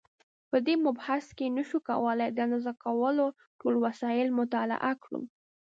په دې مبحث کې نشو کولای د اندازه کولو ټول وسایل مطالعه کړو.